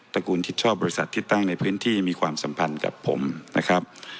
ระกูลที่ชอบบริษัทที่ตั้งในพื้นที่มีความสัมพันธ์กับผมนะครับ